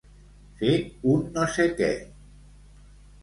Fer un no sé què.